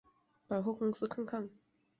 百货公司看看